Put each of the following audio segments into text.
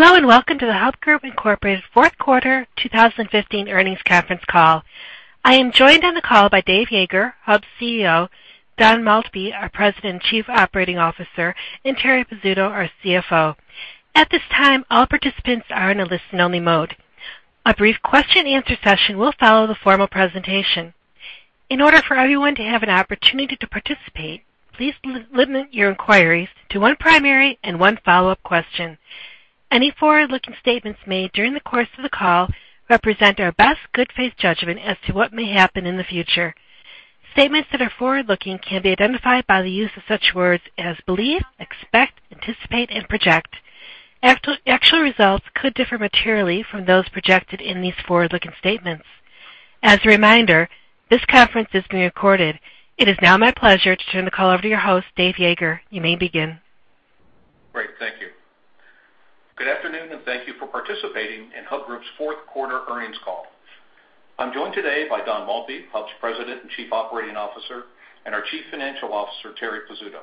Hello, and welcome to the Hub Group Incorporated Fourth Quarter 2015 Earnings Conference Call. I am joined on the call by Dave Yeager, Hub's CEO, Don Maltby, our President and Chief Operating Officer, and Terri Pizzuto, our CFO. At this time, all participants are in a listen-only mode. A brief question-and-answer session will follow the formal presentation. In order for everyone to have an opportunity to participate, please limit your inquiries to one primary and one follow-up question. Any forward-looking statements made during the course of the call represent our best good faith judgment as to what may happen in the future. Statements that are forward-looking can be identified by the use of such words as believe, expect, anticipate, and project. Actual results could differ materially from those projected in these forward-looking statements. As a reminder, this conference is being recorded. It is now my pleasure to turn the call over to your host, Dave Yeager. You may begin. Great, thank you. Good afternoon, and thank you for participating in Hub Group's fourth quarter earnings call. I'm joined today by Don Maltby, Hub's President and Chief Operating Officer, and our Chief Financial Officer, Terri Pizzuto.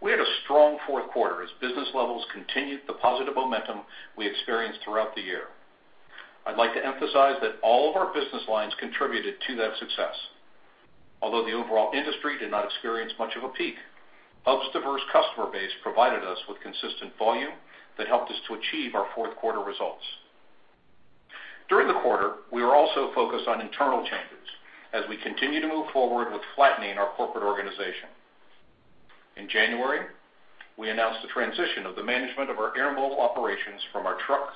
We had a strong fourth quarter as business levels continued the positive momentum we experienced throughout the year. I'd like to emphasize that all of our business lines contributed to that success. Although the overall industry did not experience much of a peak, Hub's diverse customer base provided us with consistent volume that helped us to achieve our fourth quarter results. During the quarter, we were also focused on internal changes as we continue to move forward with flattening our corporate organization. In January, we announced the transition of the management of our Intermodal operations from our truck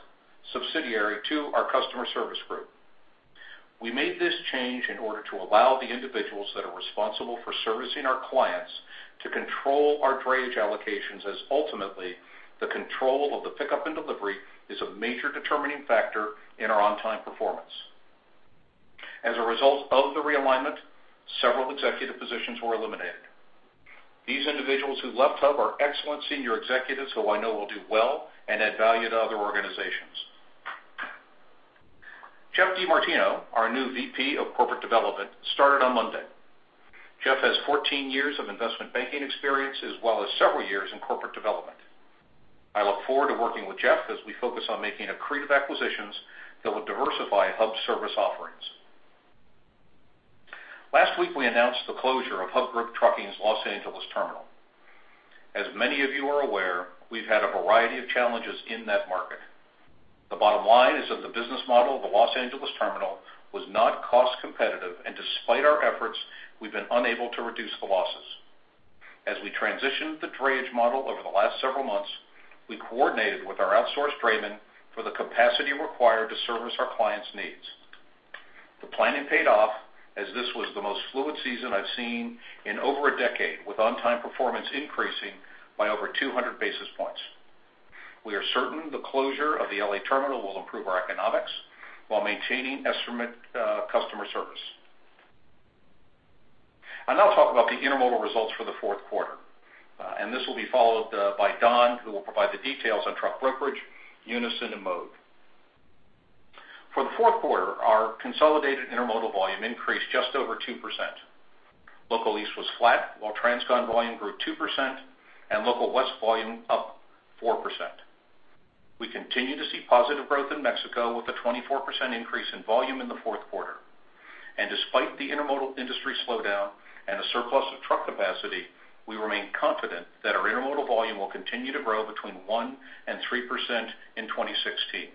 subsidiary to our customer service group. We made this change in order to allow the individuals that are responsible for servicing our clients to control our drayage allocations, as ultimately, the control of the pickup and delivery is a major determining factor in our on-time performance. As a result of the realignment, several executive positions were eliminated. These individuals who left Hub are excellent senior executives, who I know will do well and add value to other organizations. Geoff DeMartino, our new VP of Corporate Development, started on Monday. Geoff has 14 years of investment banking experience, as well as several years in corporate development. I look forward to working with Geoff as we focus on making accretive acquisitions that will diversify Hub's service offerings. Last week, we announced the closure of Hub Group Trucking's Los Angeles terminal. As many of you are aware, we've had a variety of challenges in that market. The bottom line is that the business model of the Los Angeles terminal was not cost competitive, and despite our efforts, we've been unable to reduce the losses. As we transitioned the drayage model over the last several months, we coordinated with our outsourced draymen for the capacity required to service our clients' needs. The planning paid off, as this was the most fluid season I've seen in over a decade, with on-time performance increasing by over 200 basis points. We are certain the closure of the LA terminal will improve our economics while maintaining excellent customer service. I'll now talk about the Intermodal results for the fourth quarter, and this will be followed by Don, who will provide the details on truck brokerage, Unyson and Mode. For the fourth quarter, our consolidated Intermodal volume increased just over 2%. Local East was flat, while Transcon volume grew 2% and Local West volume up 4%. We continue to see positive growth in Mexico, with a 24% increase in volume in the fourth quarter. Despite the Intermodal industry slowdown and a surplus of truck capacity, we remain confident that our Intermodal volume will continue to grow between 1% and 3% in 2016.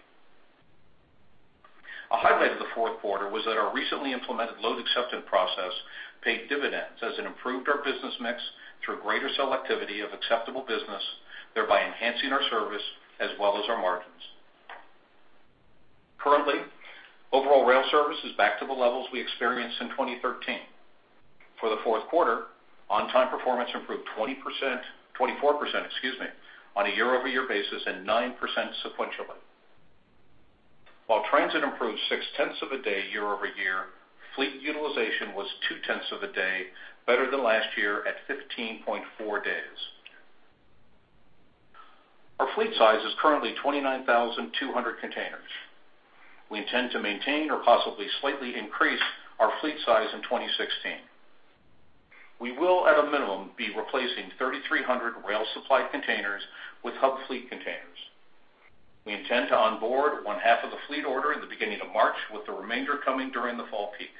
A highlight of the fourth quarter was that our recently implemented load acceptance process paid dividends, as it improved our business mix through greater selectivity of acceptable business, thereby enhancing our service as well as our margins. Currently, overall rail service is back to the levels we experienced in 2013. For the fourth quarter, on-time performance improved 20%, 24%, excuse me, on a year-over-year basis and 9% sequentially. While transit improved 0.6 of a day year-over-year, fleet utilization was 0.2 of a day better than last year at 15.4 days. Our fleet size is currently 29,200 containers. We intend to maintain or possibly slightly increase our fleet size in 2016. We will, at a minimum, be replacing 3,300 rail-supplied containers with Hub fleet containers. We intend to onboard one half of the fleet order in the beginning of March, with the remainder coming during the fall peak.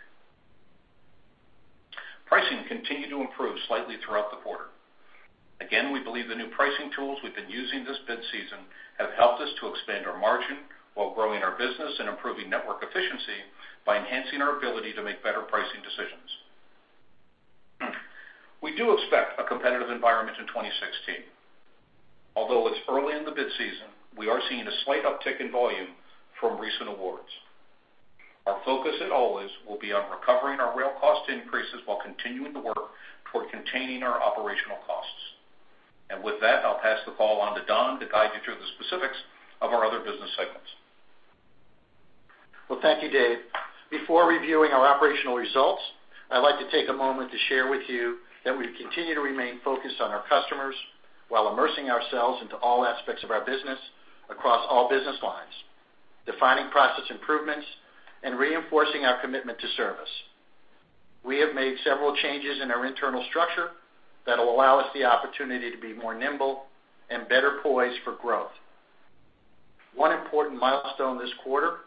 Pricing continued to improve slightly throughout the quarter. Again, we believe the new pricing tools we've been using this bid season have helped us to expand our margin while growing our business and improving network efficiency by enhancing our ability to make better pricing decisions. We do expect a competitive environment in 2016. Although it's early in the bid season, we are seeing a slight uptick in volume from recent awards. Our focus, it always, will be on recovering our rail cost increases while continuing to work toward containing our operational costs. With that, I'll pass the call on to Don to guide you through the specifics of our other business segments. Well, thank you, Dave. Before reviewing our operational results, I'd like to take a moment to share with you that we continue to remain focused on our customers while immersing ourselves into all aspects of our business across all business lines, defining process improvements, and reinforcing our commitment to service.... We have made several changes in our internal structure that will allow us the opportunity to be more nimble and better poised for growth. One important milestone this quarter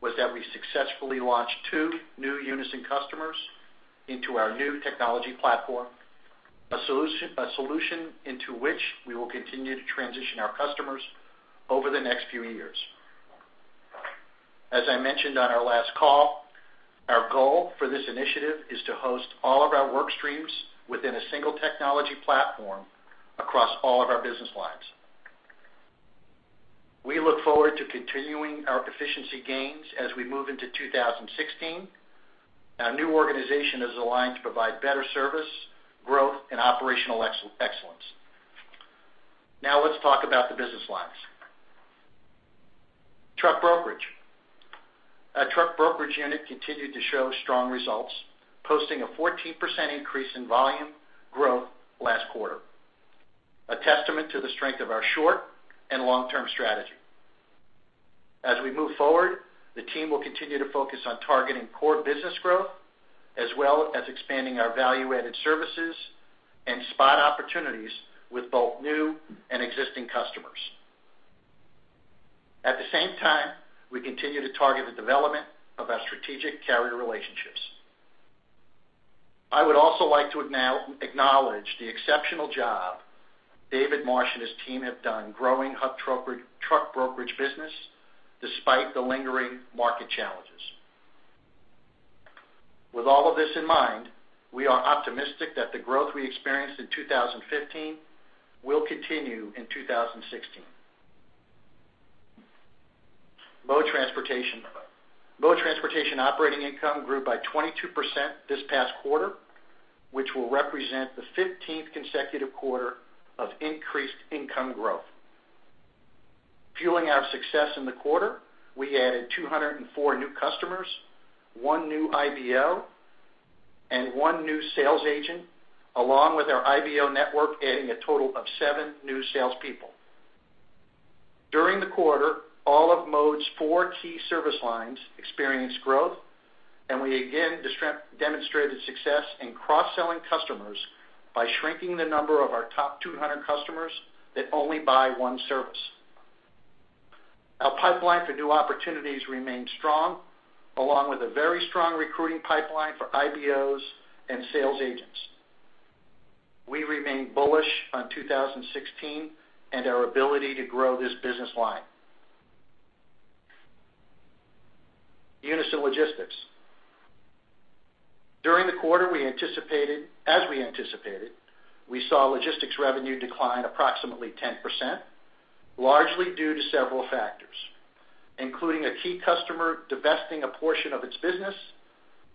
was that we successfully launched two new Unyson customers into our new technology platform, a solution, a solution into which we will continue to transition our customers over the next few years. As I mentioned on our last call, our goal for this initiative is to host all of our work streams within a single technology platform across all of our business lines. We look forward to continuing our efficiency gains as we move into 2016. Our new organization is aligned to provide better service, growth and operational excellence. Now let's talk about the business lines. Truck brokerage. Our truck brokerage unit continued to show strong results, posting a 14% increase in volume growth last quarter, a testament to the strength of our short- and long-term strategy. As we move forward, the team will continue to focus on targeting core business growth, as well as expanding our value-added services and spot opportunities with both new and existing customers. At the same time, we continue to target the development of our strategic carrier relationships. I would also like to acknowledge the exceptional job David Marsh and his team have done growing Hub truck brokerage business despite the lingering market challenges. With all of this in mind, we are optimistic that the growth we experienced in 2015 will continue in 2016. Mode Transportation. Mode Transportation operating income grew by 22% this past quarter, which will represent the 15th consecutive quarter of increased income growth. Fueling our success in the quarter, we added 204 new customers, 1 new IBO, and 1 new sales agent, along with our IBO network, adding a total of 7 new salespeople. During the quarter, all of Mode's 4 key service lines experienced growth, and we again demonstrated success in cross-selling customers by shrinking the number of our top 200 customers that only buy one service. Our pipeline for new opportunities remains strong, along with a very strong recruiting pipeline for IBOs and sales agents. We remain bullish on 2016 and our ability to grow this business line. Unyson Logistics. During the quarter, we anticipated, as we anticipated, we saw logistics revenue decline approximately 10%, largely due to several factors, including a key customer divesting a portion of its business,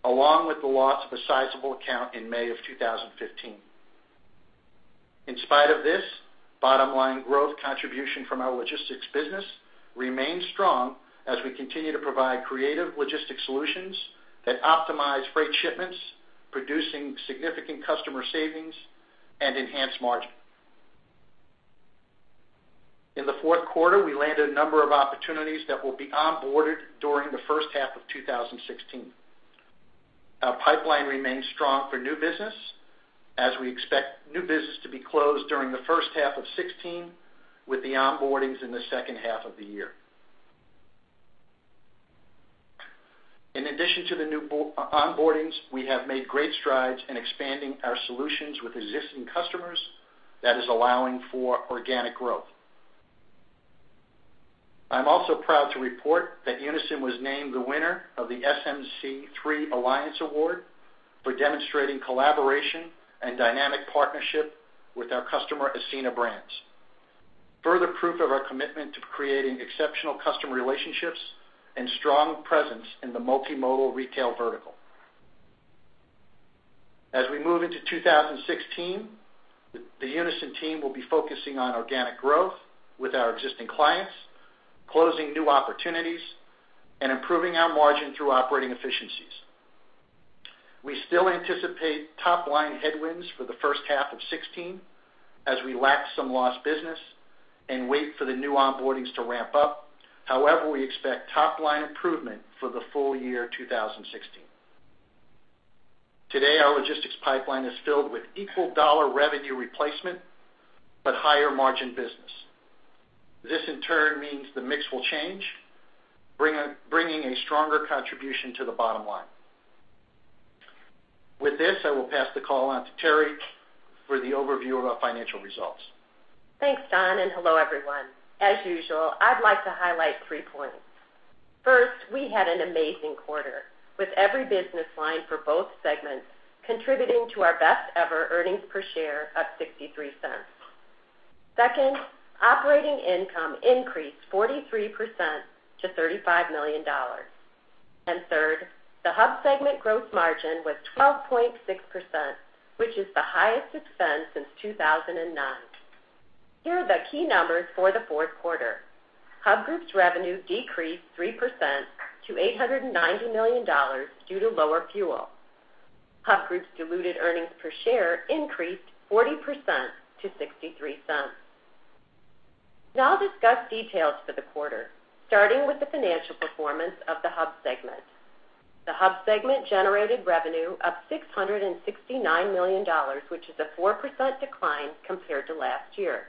along with the loss of a sizable account in May 2015. In spite of this, bottom-line growth contribution from our logistics business remains strong as we continue to provide creative logistics solutions that optimize freight shipments, producing significant customer savings and enhanced margin. In the fourth quarter, we landed a number of opportunities that will be onboarded during the first half of 2016. Our pipeline remains strong for new business, as we expect new business to be closed during the first half of 2016, with the onboardings in the second half of the year. In addition to the new onboardings, we have made great strides in expanding our solutions with existing customers that is allowing for organic growth. I'm also proud to report that Unyson was named the winner of the SMC3 Alliance Award for demonstrating collaboration and dynamic partnership with our customer, Ascena Brands. Further proof of our commitment to creating exceptional customer relationships and strong presence in the multimodal retail vertical. As we move into 2016, the Unyson team will be focusing on organic growth with our existing clients, closing new opportunities, and improving our margin through operating efficiencies. We still anticipate top-line headwinds for the first half of 2016 as we lap some lost business and wait for the new onboardings to ramp up. However, we expect top-line improvement for the full year 2016. Today, our logistics pipeline is filled with equal dollar revenue replacement, but higher-margin business. This, in turn, means the mix will change, bringing a stronger contribution to the bottom line. With this, I will pass the call on to Terri for the overview of our financial results. Thanks, Don, and hello, everyone. As usual, I'd like to highlight three points. First, we had an amazing quarter, with every business line for both segments contributing to our best-ever earnings per share of $0.63. Second, operating income increased 43% to $35 million. And third, the Hub segment gross margin was 12.6%, which is the highest it's been since 2009. Here are the key numbers for the fourth quarter. Hub Group's revenue decreased 3% to $890 million due to lower fuel. Hub Group's diluted earnings per share increased 40% to $0.63.... Now I'll discuss details for the quarter, starting with the financial performance of the Hub segment. The Hub segment generated revenue of $669 million, which is a 4% decline compared to last year.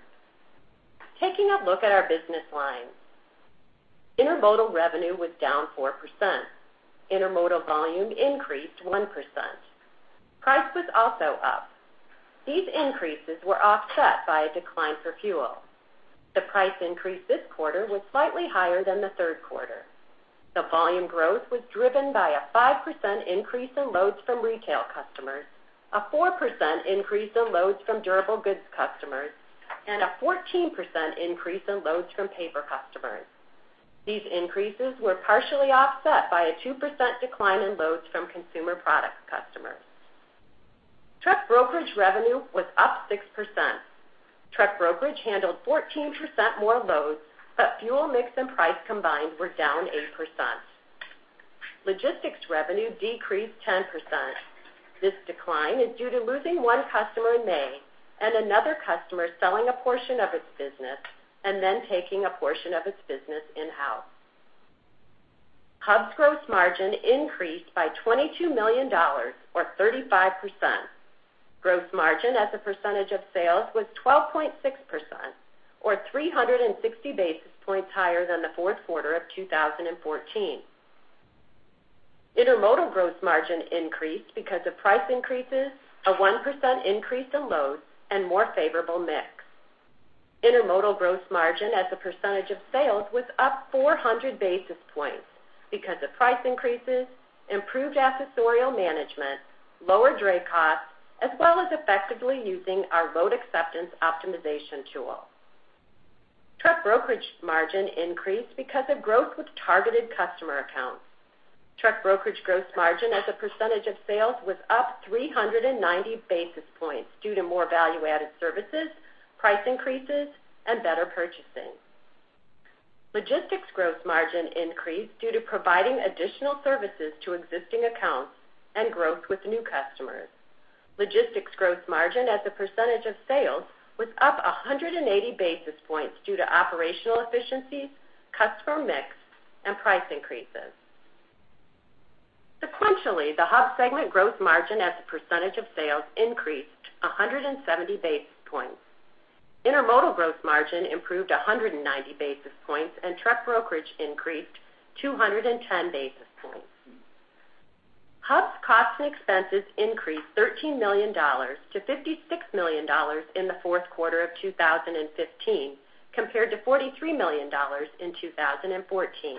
Taking a look at our business lines, Intermodal revenue was down 4%. Intermodal volume increased 1%. Price was also up. These increases were offset by a decline for fuel. The price increase this quarter was slightly higher than the third quarter. The volume growth was driven by a 5% increase in loads from retail customers, a 4% increase in loads from durable goods customers, and a 14% increase in loads from paper customers. These increases were partially offset by a 2% decline in loads from consumer products customers. Truck brokerage revenue was up 6%. Truck brokerage handled 14% more loads, but fuel mix and price combined were down 8%. Logistics revenue decreased 10%. This decline is due to losing one customer in May and another customer selling a portion of its business and then taking a portion of its business in-house. Hub's gross margin increased by $22 million, or 35%. Gross margin as a percentage of sales was 12.6%, or 360 basis points higher than the fourth quarter of 2014. Intermodal gross margin increased because of price increases, a 1% increase in loads, and more favorable mix. Intermodal gross margin as a percentage of sales was up 400 basis points because of price increases, improved accessorial management, lower dray costs, as well as effectively using our load acceptance optimization tool. Truck brokerage margin increased because of growth with targeted customer accounts. Truck brokerage gross margin as a percentage of sales was up 390 basis points due to more value-added services, price increases, and better purchasing. Logistics gross margin increased due to providing additional services to existing accounts and growth with new customers. Logistics gross margin as a percentage of sales was up 180 basis points due to operational efficiencies, customer mix, and price increases. Sequentially, the Hub segment gross margin as a percentage of sales increased 170 basis points. Intermodal gross margin improved 190 basis points, and truck brokerage increased 210 basis points. Hub's costs and expenses increased $13 million to $56 million in the fourth quarter of 2015, compared to $43 million in 2014.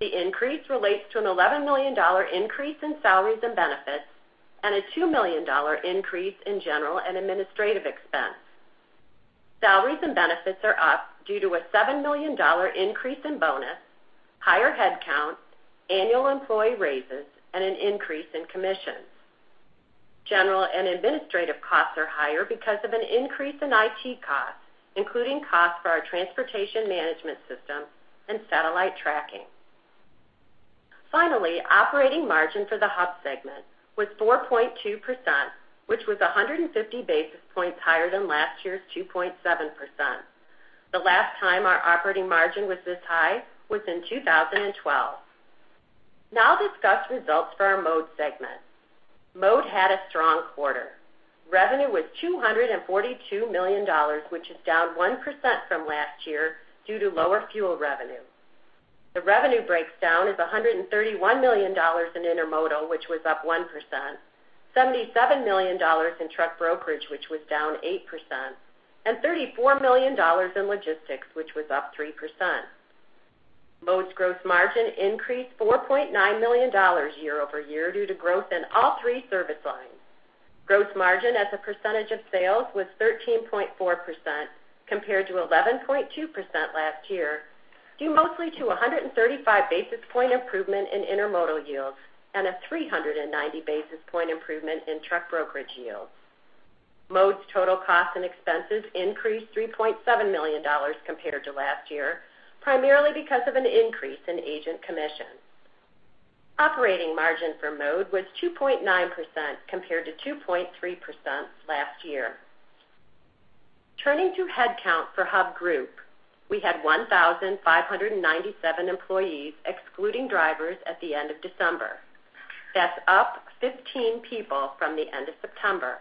The increase relates to an $11 million increase in salaries and benefits and a $2 million increase in general and administrative expense. Salaries and benefits are up due to a $7 million increase in bonus, higher headcount, annual employee raises, and an increase in commissions. General and administrative costs are higher because of an increase in IT costs, including costs for our transportation management system and satellite tracking. Finally, operating margin for the Hub segment was 4.2%, which was 150 basis points higher than last year's 2.7%. The last time our operating margin was this high was in 2012. Now I'll discuss results for our Mode segment. Mode had a strong quarter. Revenue was $242 million, which is down 1% from last year due to lower fuel revenue. The revenue breakdown is $131 million in Intermodal, which was up 1%, $77 million in truck brokerage, which was down 8%, and $34 million in logistics, which was up 3%. Mode's gross margin increased $4.9 million year-over-year due to growth in all three service lines. Gross margin as a percentage of sales was 13.4%, compared to 11.2% last year, due mostly to a 135 basis point improvement in Intermodal yields and a 390 basis point improvement in truck brokerage yields. Mode's total costs and expenses increased $3.7 million compared to last year, primarily because of an increase in agent commissions. Operating margin for Mode was 2.9%, compared to 2.3% last year. Turning to headcount for Hub Group, we had 1,597 employees, excluding drivers, at the end of December. That's up 15 people from the end of September.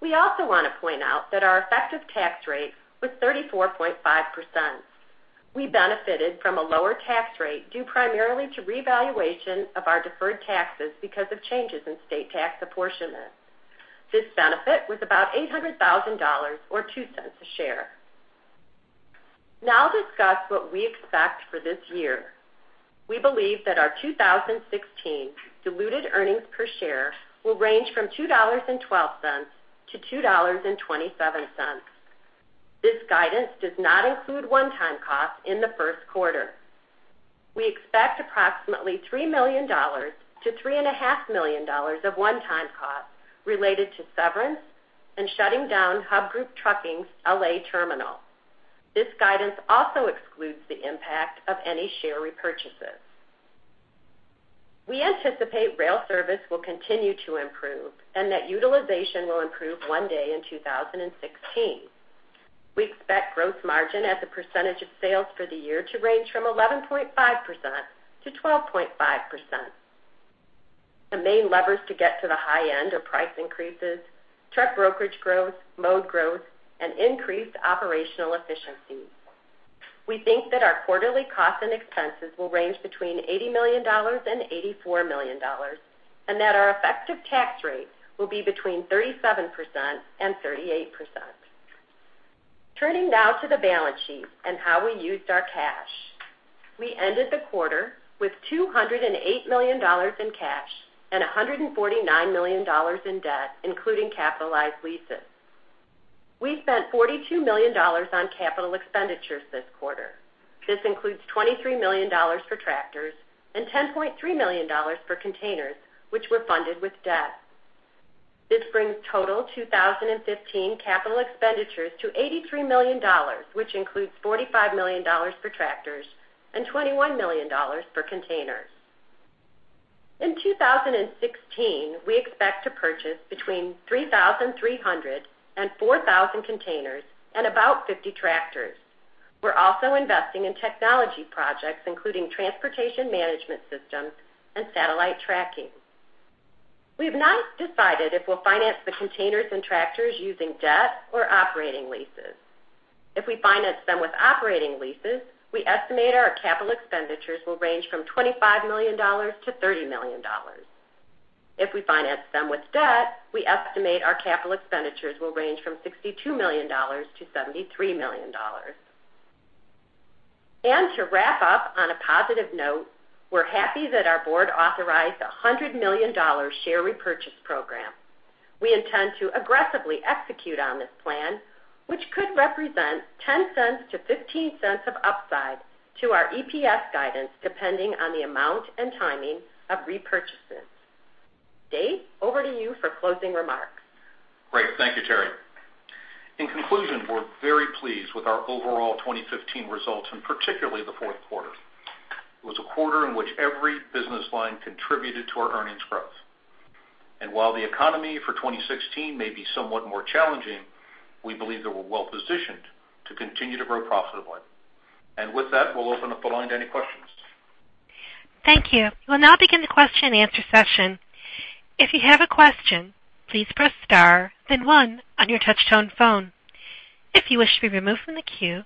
We also want to point out that our effective tax rate was 34.5%. We benefited from a lower tax rate, due primarily to revaluation of our deferred taxes because of changes in state tax apportionment. This benefit was about $800,000, or $0.02 a share. Now I'll discuss what we expect for this year. We believe that our 2016 diluted earnings per share will range from $2.12 to $2.27. This guidance does not include one-time costs in the first quarter. We expect approximately $3 million-$3.5 million of one-time costs related to severance and shutting down Hub Group Trucking's L.A. terminal. This guidance also excludes the impact of any share repurchases. We anticipate rail service will continue to improve and that utilization will improve one day in 2016. We expect gross margin as a percentage of sales for the year to range from 11.5%-12.5%. The main levers to get to the high end are price increases, truck brokerage growth, Mode growth, and increased operational efficiency. We think that our quarterly costs and expenses will range between $80 million and $84 million, and that our effective tax rate will be between 37% and 38%. Turning now to the balance sheet and how we used our cash. We ended the quarter with $208 million in cash and $149 million in debt, including capitalized leases. We spent $42 million on capital expenditures this quarter. This includes $23 million for tractors and $10.3 million for containers, which were funded with debt. This brings total 2015 capital expenditures to $83 million, which includes $45 million for tractors and $21 million for containers. In 2016, we expect to purchase between 3,300 and 4,000 containers and about 50 tractors. We're also investing in technology projects, including transportation management systems and satellite tracking. We've not decided if we'll finance the containers and tractors using debt or operating leases. If we finance them with operating leases, we estimate our capital expenditures will range from $25 million to $30 million. If we finance them with debt, we estimate our capital expenditures will range from $62 million to $73 million. To wrap up on a positive note, we're happy that our board authorized a $100 million share repurchase program. We intend to aggressively execute on this plan, which could represent $0.10 to $0.15 of upside to our EPS guidance, depending on the amount and timing of repurchases. Dave, over to you for closing remarks. Great. Thank you, Terri. In conclusion, we're very pleased with our overall 2015 results, and particularly the fourth quarter. It was a quarter in which every business line contributed to our earnings growth. And while the economy for 2016 may be somewhat more challenging, we believe that we're well positioned to continue to grow profitably. And with that, we'll open up the line to any questions. Thank you. We'll now begin the question and answer session. If you have a question, please press star, then one on your touchtone phone. If you wish to be removed from the queue,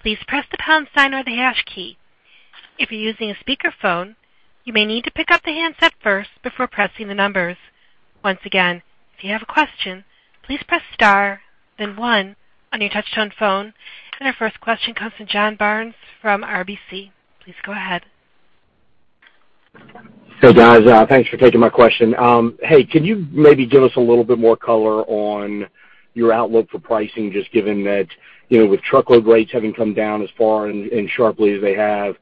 please press the pound sign or the hash key. If you're using a speakerphone, you may need to pick up the handset first before pressing the numbers. Once again, if you have a question, please press star, then one on your touchtone phone. Our first question comes from John Barnes from RBC. Please go ahead. Hey, guys, thanks for taking my question. Hey, can you maybe give us a little bit more color on your outlook for pricing, just given that, you know, with truckload rates having come down as far and sharply as they have,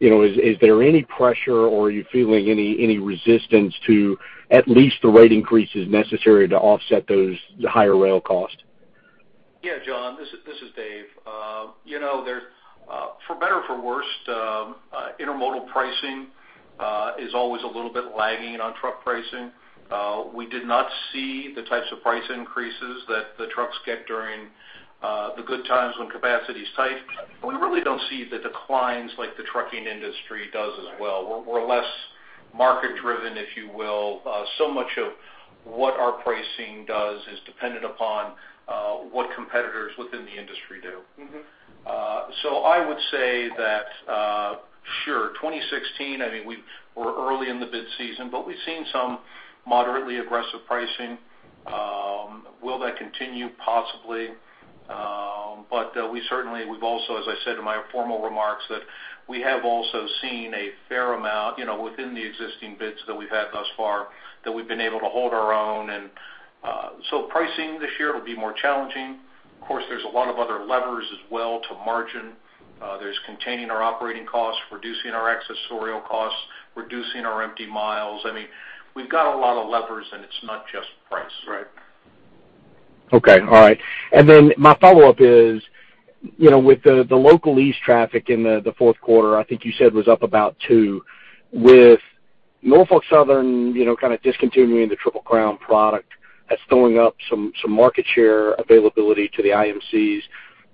you know, is there any pressure or are you feeling any resistance to at least the rate increases necessary to offset those higher rail costs? Yeah, John, this is Dave. You know, there's for better or for worse, Intermodal pricing is always a little bit lagging on truck pricing. We did not see the types of price increases that the trucks get during the good times when capacity is tight. We really don't see the declines like the trucking industry does as well. We're less market-driven, if you will. So much of what our pricing does is dependent upon what competitors within the industry do. Mm-hmm. So I would say that, sure, 2016, I mean, we're early in the bid season, but we've seen some moderately aggressive pricing. Will that continue? Possibly. But we certainly, we've also, as I said in my formal remarks, that we have also seen a fair amount, you know, within the existing bids that we've had thus far, that we've been able to hold our own. And so pricing this year will be more challenging. Of course, there's a lot of other levers as well to margin. There's containing our operating costs, reducing our accessorial costs, reducing our empty miles. I mean, we've got a lot of levers, and it's not just price, right? Okay. All right. And then my follow-up is, you know, with the Local East traffic in the fourth quarter, I think you said was up about 2. With Norfolk Southern, you know, kind of discontinuing the Triple Crown product, that's throwing up some market share availability to the IMCs.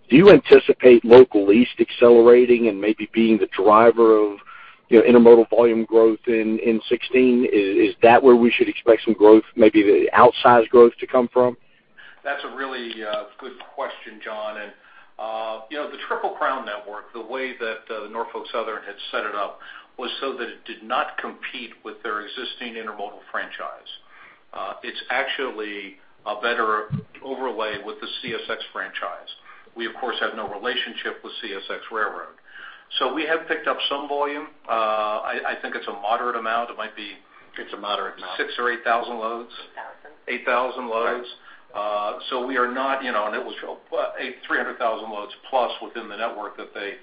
Do you anticipate Local East accelerating and maybe being the driver of, you know, Intermodal volume growth in 2016? Is that where we should expect some growth, maybe the outsized growth to come from? That's a really good question, John. And, you know, the Triple Crown network, the way that Norfolk Southern had set it up, was so that it did not compete with their existing Intermodal franchise. It's actually a better overlay with the CSX franchise. We, of course, have no relationship with CSX Railroad. So we have picked up some volume. I think it's a moderate amount. It might be- It's a moderate amount. 6 or 8 thousand loads. Eight thousand. 8,000 loads. Right. So we are not, you know, and it was three hundred thousand loads plus within the network that they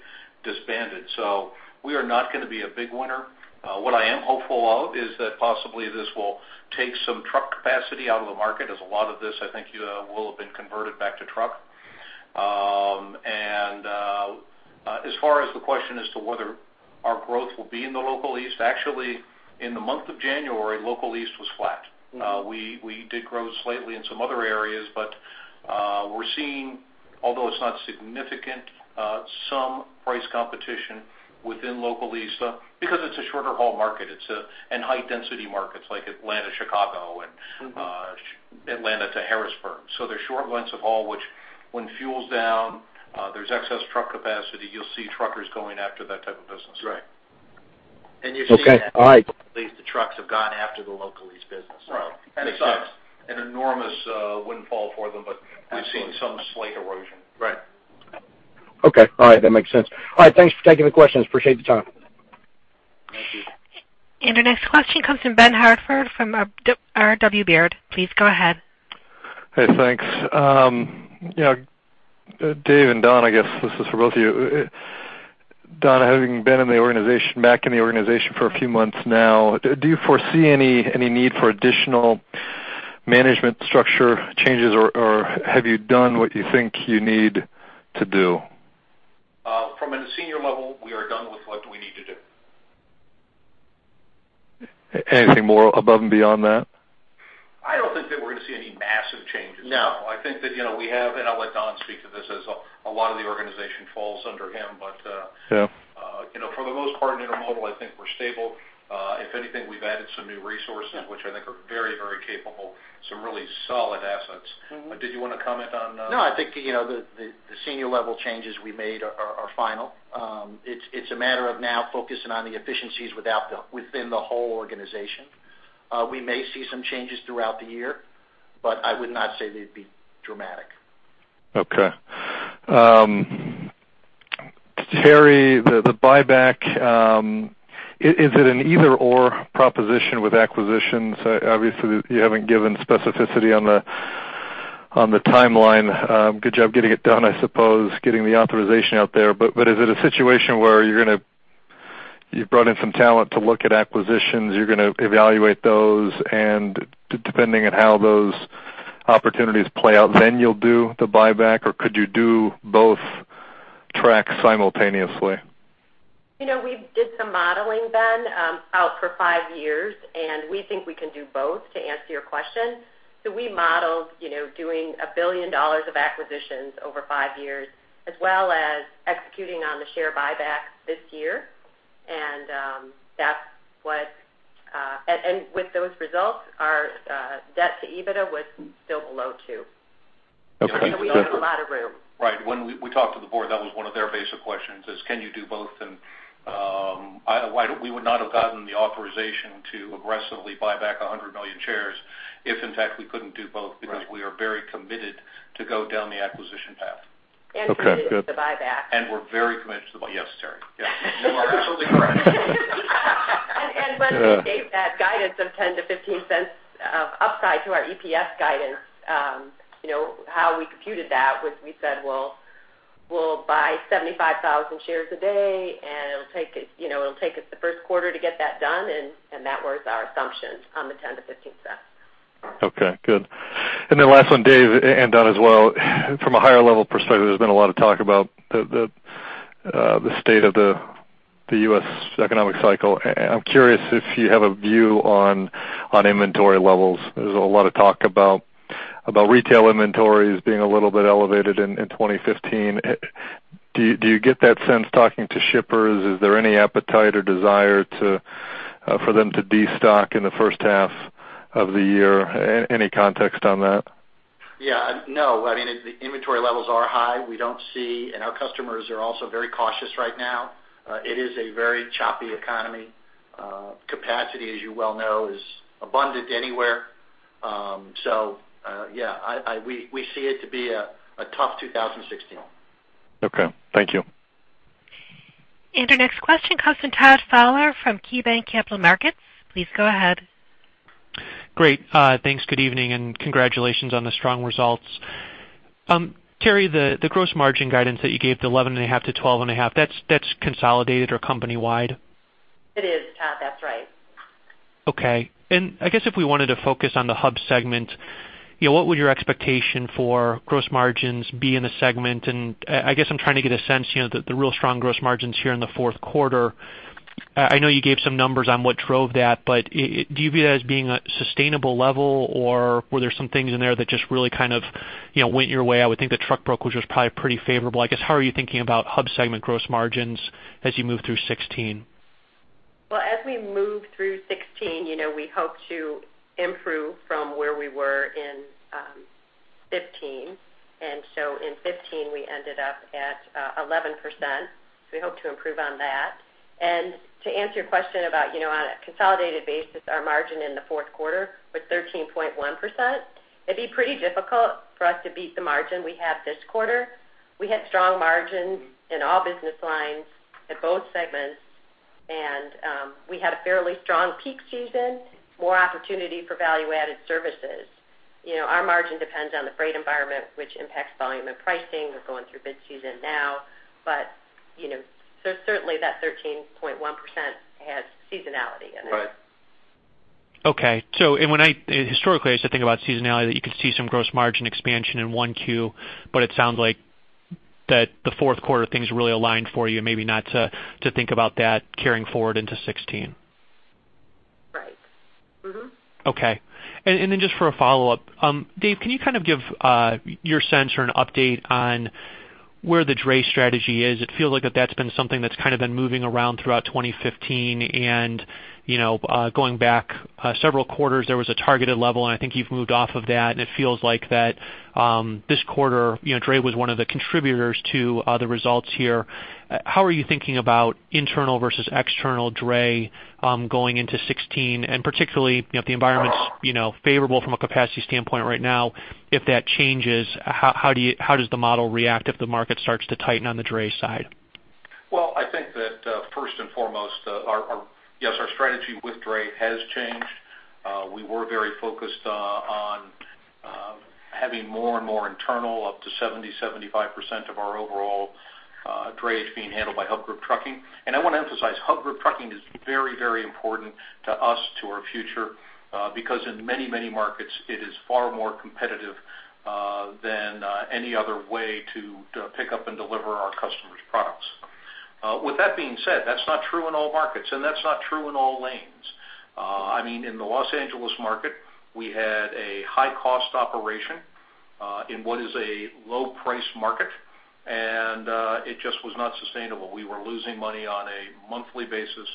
disbanded. So we are not going to be a big winner. What I am hopeful of is that possibly this will take some truck capacity out of the market, as a lot of this, I think, will have been converted back to truck. As far as the question as to whether our growth will be in the Local East, actually, in the month of January, Local East was flat. We did grow slightly in some other areas, but we're seeing, although it's not significant, some price competition within Local East, because it's a shorter haul market. It's a and high density markets like Atlanta, Chicago, and Atlanta to Harrisburg. They're short lengths of haul, which when fuel's down, there's excess truck capacity, you'll see truckers going after that type of business. Right. And you've seen that. Okay. All right. At least the trucks have gone after the Local East business. Right. And it's not an enormous windfall for them, but we've seen some slight erosion. Right. Okay. All right, that makes sense. All right, thanks for taking the questions. Appreciate the time. Thank you. Our next question comes from Ben Hartford from R.W. Baird. Please go ahead. Hey, thanks. You know, Dave and Don, I guess this is for both of you. Don, having been in the organization, back in the organization for a few months now, do you foresee any need for additional management structure changes, or have you done what you think you need to do? From a senior level, we are done with what we need to do. Anything more above and beyond that? I don't think that we're going to see any massive changes. No, I think that, you know, we have, and I'll let Don speak to this, as a lot of the organization falls under him. But, Yeah. You know, for the most part, in Intermodal, I think we're stable. If anything, we've added some new resources, which I think are very, very capable, some really solid assets. Mm-hmm. But did you want to comment on? No, I think, you know, the senior level changes we made are final. It's a matter of now focusing on the efficiencies within the whole organization. We may see some changes throughout the year, but I would not say they'd be dramatic. Okay. Terri, the buyback, is it an either/or proposition with acquisitions? Obviously, you haven't given specificity on the timeline. Good job getting it done, I suppose, getting the authorization out there. But is it a situation where you're gonna... You've brought in some talent to look at acquisitions, you're gonna evaluate those, and depending on how those opportunities play out, then you'll do the buyback? Or could you do both tracks simultaneously? You know, we did some modeling, Ben, out for five years, and we think we can do both, to answer your question. So we modeled, you know, doing $1 billion of acquisitions over five years, as well as executing on the share buyback this year. And with those results, our debt to EBITDA was still below 2. Okay. We have a lot of room. Right. When we talked to the board, that was one of their basic questions, is can you do both? And, I – why we would not have gotten the authorization to aggressively buy back 100 million shares if, in fact, we couldn't do both- Right. because we are very committed to go down the acquisition path. Okay, good. Committed to the buyback. We're very committed to the buy... Yes, Terri. Yes, you are absolutely correct. When we gave that guidance of $0.10-$0.15 of upside to our EPS guidance, you know, how we computed that was, we said, "Well, we'll buy 75,000 shares a day, and it'll take it, you know, it'll take us the first quarter to get that done," and that was our assumption on the $0.10-$0.15. Okay, good. And then last one, Dave, and Don as well. From a higher level perspective, there's been a lot of talk about the state of the US economic cycle. And I'm curious if you have a view on inventory levels. There's a lot of talk about retail inventories being a little bit elevated in 2015. Do you get that sense talking to shippers? Is there any appetite or desire for them to destock in the first half of the year? Any context on that? Yeah. No, I mean, the inventory levels are high. We don't see... And our customers are also very cautious right now. It is a very choppy economy. Capacity, as you well know, is abundant anywhere. So, yeah, we see it to be a tough 2016. Okay, thank you. Our next question comes from Todd Fowler from KeyBanc Capital Markets. Please go ahead. Great. Thanks. Good evening, and congratulations on the strong results. Terri, the gross margin guidance that you gave, the 11.5-12.5, that's consolidated or company-wide? It is, Todd. That's right. Okay. I guess if we wanted to focus on the Hub segment, you know, what would your expectation for gross margins be in the segment? And I guess I'm trying to get a sense, you know, the real strong gross margins here in the fourth quarter. I know you gave some numbers on what drove that, but do you view that as being a sustainable level, or were there some things in there that just really kind of, you know, went your way? I would think the truck brokerage was probably pretty favorable, I guess. How are you thinking about Hub segment gross margins as you move through 2016? Well, as we move through 2016, you know, we hope to improve from where we were in 2015. And so in 2015, we ended up at 11%. So we hope to improve on that. And to answer your question about, you know, on a consolidated basis, our margin in the fourth quarter was 13.1%. It'd be pretty difficult for us to beat the margin we have this quarter. We had strong margins in all business lines at both segments, and we had a fairly strong peak season, more opportunity for value-added services. You know, our margin depends on the freight environment, which impacts volume and pricing. We're going through bid season now, but, you know. So certainly, that 13.1% has seasonality in it. Right.... Okay. So and when I, historically, I used to think about seasonality, that you could see some gross margin expansion in 1Q, but it sounds like that the fourth quarter, things really aligned for you and maybe not to, to think about that carrying forward into 2016. Right. Mm-hmm. Okay. And then just for a follow-up, Dave, can you kind of give your sense or an update on where the dray strategy is? It feels like that that's been something that's kind of been moving around throughout 2015, and you know, going back, several quarters, there was a targeted level, and I think you've moved off of that. And it feels like that, this quarter, you know, dray was one of the contributors to the results here. How are you thinking about internal versus external dray, going into 2016, and particularly, you know, if the environment's, you know, favorable from a capacity standpoint right now, if that changes, how does the model react if the market starts to tighten on the dray side? Well, I think that, first and foremost, our strategy with drayage has changed. We were very focused on having more and more internal, up to 75% of our overall drayage being handled by Hub Group Trucking. And I want to emphasize, Hub Group Trucking is very, very important to us, to our future, because in many, many markets, it is far more competitive than any other way to pick up and deliver our customers' products. With that being said, that's not true in all markets, and that's not true in all lanes. I mean, in the Los Angeles market, we had a high-cost operation in what is a low-price market, and it just was not sustainable. We were losing money on a monthly basis.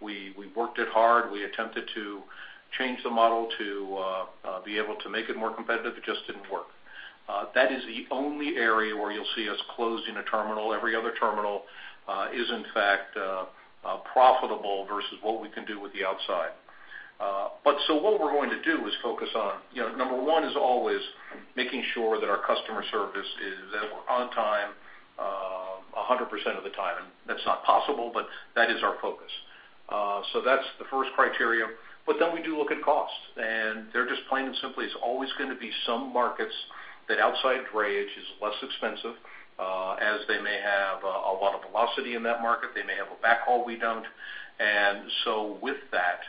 We worked it hard. We attempted to change the model to be able to make it more competitive. It just didn't work. That is the only area where you'll see us closing a terminal. Every other terminal is, in fact, profitable versus what we can do with the outside. But so what we're going to do is focus on, you know, number one is always making sure that our customer service is, that we're on time 100% of the time, and that's not possible, but that is our focus. So that's the first criteria. But then we do look at cost, and there just plain and simply is always gonna be some markets that outside drayage is less expensive, as they may have a lot of velocity in that market. They may have a backhaul we don't. With that,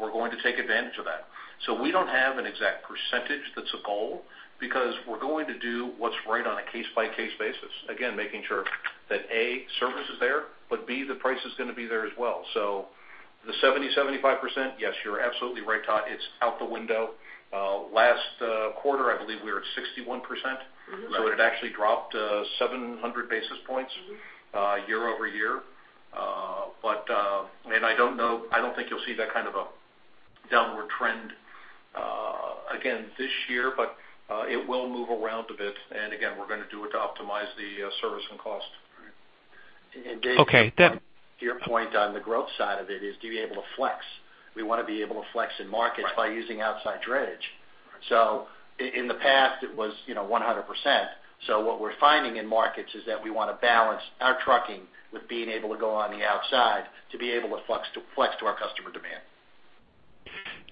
we're going to take advantage of that. We don't have an exact percentage that's a goal, because we're going to do what's right on a case-by-case basis. Again, making sure that, A, service is there, but B, the price is gonna be there as well. The 70%-75%, yes, you're absolutely right, Todd. It's out the window. Last quarter, I believe we were at 61%. Mm-hmm. So it actually dropped 700 basis points- Mm-hmm... year-over-year. But I don't know, I don't think you'll see that kind of a downward trend again this year, but it will move around a bit. And again, we're gonna do it to optimize the service and cost. Right. And Dave- Okay, Dan. To your point on the growth side of it, is to be able to flex. We want to be able to flex in markets- Right by using outside drayage. Right. So in the past, it was, you know, 100%. So what we're finding in markets is that we want to balance our trucking with being able to go on the outside, to be able to flex, to flex to our customer demand.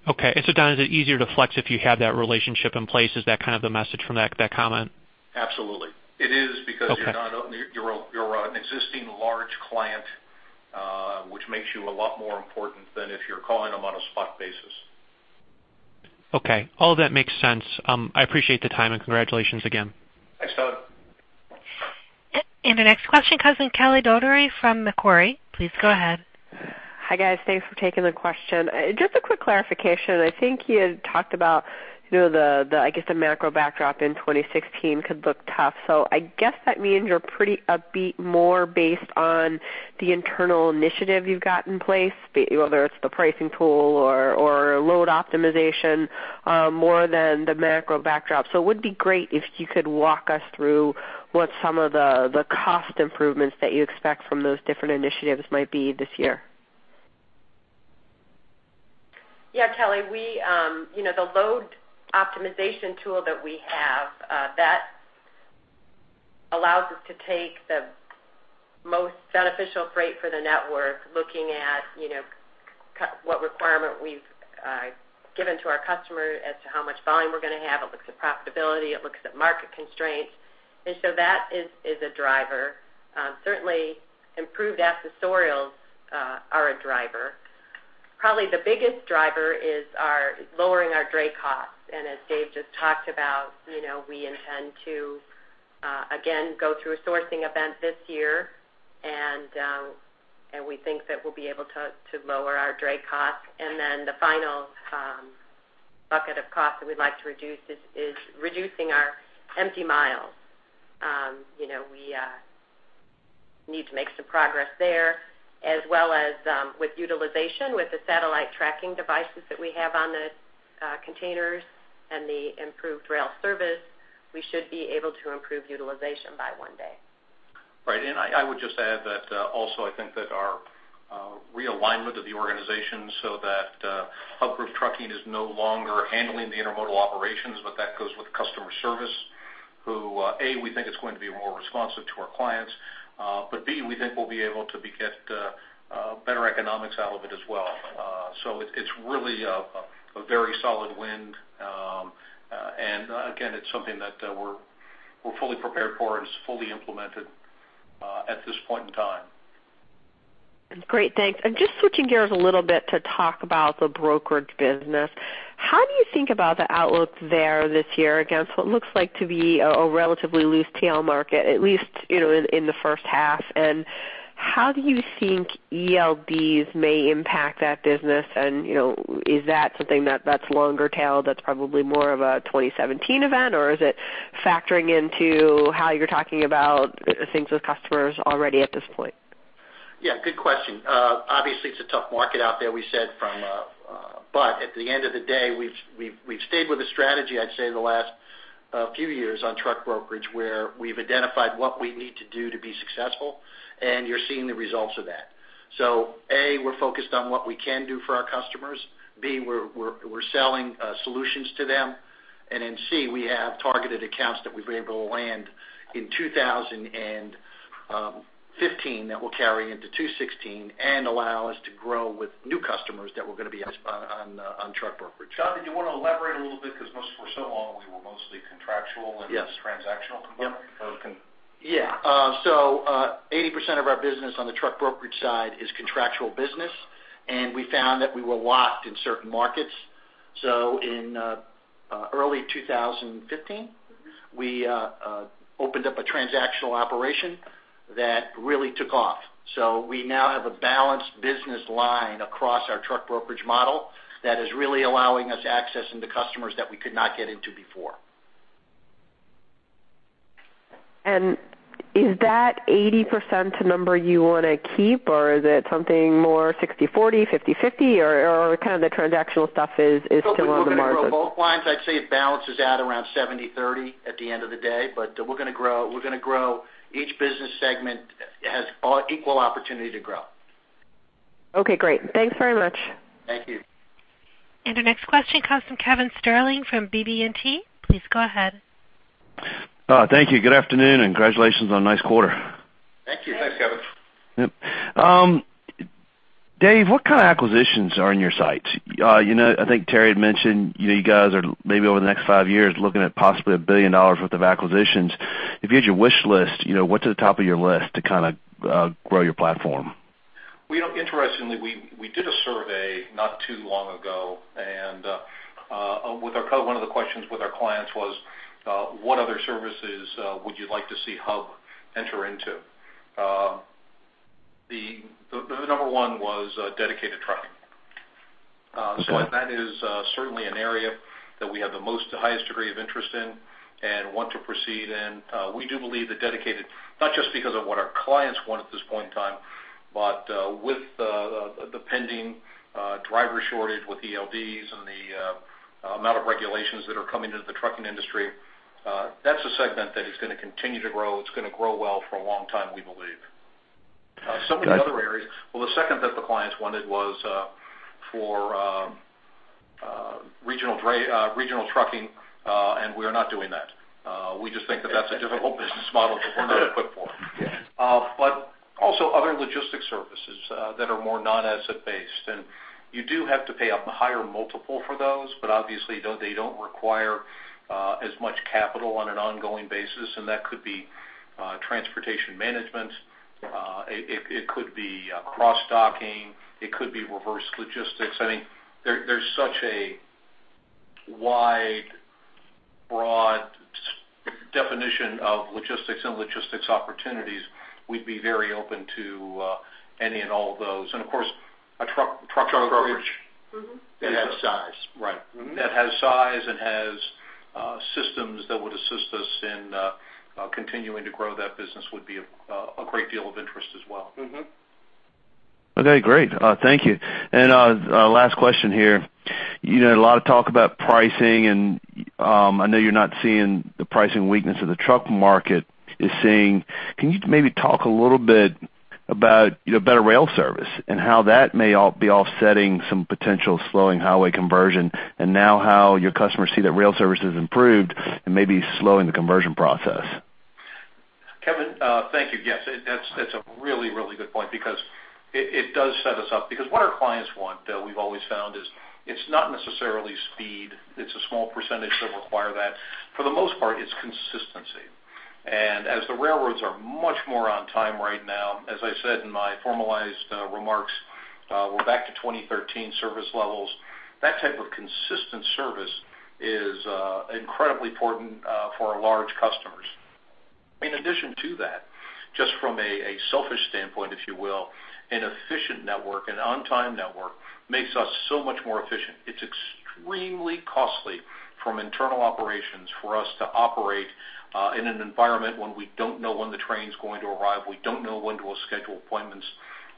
Okay. So, Don, is it easier to flex if you have that relationship in place? Is that kind of the message from that, that comment? Absolutely. It is- Okay because you're not, you're a, you're an existing large client, which makes you a lot more important than if you're calling them on a spot basis. Okay. All of that makes sense. I appreciate the time, and congratulations again. Thanks, Todd. The next question comes from Kelly Dougherty from Macquarie. Please go ahead. Hi, guys. Thanks for taking the question. Just a quick clarification. I think you had talked about, you know, I guess, the macro backdrop in 2016 could look tough. So I guess that means you're pretty upbeat, more based on the internal initiative you've got in place, whether it's the pricing tool or load optimization, more than the macro backdrop. So it would be great if you could walk us through what some of the cost improvements that you expect from those different initiatives might be this year. Yeah, Kelly, we, you know, the load optimization tool that we have, that allows us to take the most beneficial freight for the network, looking at, you know, what requirement we've given to our customer as to how much volume we're going to have. It looks at profitability, it looks at market constraints, and so that is a driver. Certainly, improved accessorials are a driver. Probably the biggest driver is our lowering our dray costs. And as Dave just talked about, you know, we intend to, again, go through a sourcing event this year, and we think that we'll be able to lower our dray costs. And then the final bucket of costs that we'd like to reduce is reducing our empty miles. You know, we need to make some progress there, as well as with utilization, with the satellite tracking devices that we have on the containers and the improved rail service. We should be able to improve utilization by one day. Right. And I would just add that also, I think that our realignment of the organization so that Hub Group Trucking is no longer handling the Intermodal operations, but that goes with customer service, who A, we think is going to be more responsive to our clients, but B, we think we'll be able to get better economics out of it as well. So it's really a very solid win. And again, it's something that we're fully prepared for and is fully implemented at this point in time. Great, thanks. And just switching gears a little bit to talk about the brokerage business, how do you think about the outlook there this year against what looks like to be a, a relatively loose tail market, at least, you know, in, in the first half? And how do you think ELDs may impact that business? And, you know, is that something that, that's longer tail, that's probably more of a 2017 event, or is it factoring into how you're talking about things with customers already at this point? Yeah, good question. Obviously, it's a tough market out there, we said from... But at the end of the day, we've stayed with a strategy, I'd say, in the last few years on truck brokerage, where we've identified what we need to do to be successful, and you're seeing the results of that. So A, we're focused on what we can do for our customers, B, we're selling solutions to them, and then C, we have targeted accounts that we've been able to land in 2015, that will carry into 2016 and allow us to grow with new customers that we're going to be on truck brokerage. John, did you want to elaborate a little bit? Because most for so long, we were mostly contractual- Yes. and transactional contractual. Yep. Yeah. So, 80% of our business on the truck brokerage side is contractual business, and we found that we were locked in certain markets. So in early 2015, we opened up a transactional operation that really took off. So we now have a balanced business line across our truck brokerage model that is really allowing us access into customers that we could not get into before. Is that 80% number you want to keep, or is it something more 60/40, 50/50, or, or kind of the transactional stuff is still on the margin? Well, we're going to grow both lines. I'd say it balances out around 70/30 at the end of the day, but we're going to grow, we're going to grow each business segment has all equal opportunity to grow. Okay, great. Thanks very much. Thank you. Our next question comes from Kevin Sterling from BB&T. Please go ahead. Thank you. Good afternoon, and congratulations on a nice quarter. Thank you. Thanks, Kevin. Yep. Dave, what kind of acquisitions are in your sights? You know, I think Terri had mentioned, you know, you guys are maybe over the next five years, looking at possibly $1 billion worth of acquisitions. If you had your wish list, you know, what's at the top of your list to kind of grow your platform? Well, you know, interestingly, we did a survey not too long ago, and with our kind of one of the questions with our clients was what other services would you like to see HUB enter into? The number one was dedicated trucking. Okay. So that is certainly an area that we have the most highest degree of interest in and want to proceed in. We do believe that dedicated, not just because of what our clients want at this point in time, but with the pending driver shortage, with ELDs and the amount of regulations that are coming into the trucking industry, that's a segment that is going to continue to grow. It's going to grow well for a long time, we believe. Got you. So many other areas. Well, the second that the clients wanted was for regional trucking, and we are not doing that. We just think that that's a different whole business model that we're not equipped for. Yeah. But also other logistics services that are more non-asset-based, and you do have to pay a higher multiple for those, but obviously, though they don't require as much capital on an ongoing basis, and that could be transportation management, it could be cross-docking, it could be reverse logistics. I mean, there's such a wide, broad definition of logistics and logistics opportunities, we'd be very open to any and all of those. And of course, a truck brokerage. Mm-hmm. That has size, right. Mm-hmm. That has size and has systems that would assist us in continuing to grow that business would be of a great deal of interest as well. Mm-hmm. Okay, great. Thank you. And, last question here. You know, a lot of talk about pricing, and, I know you're not seeing the pricing weakness in the truck market is seeing. Can you maybe talk a little bit about, you know, better rail service and how that may all be offsetting some potential slowing highway conversion, and now how your customers see that rail service has improved and may be slowing the conversion process? Kevin, thank you. Yes, that's, that's a really, really good point because it, it does set us up. Because what our clients want, that we've always found, is it's not necessarily speed. It's a small percentage that require that. For the most part, it's consistency. And as the railroads are much more on time right now, as I said in my formalized remarks, we're back to 2013 service levels. That type of consistent service is incredibly important for our large customers. In addition to that, just from a selfish standpoint, if you will, an efficient network, an on-time network, makes us so much more efficient. It's extremely costly from internal operations for us to operate in an environment when we don't know when the train is going to arrive, we don't know when to schedule appointments.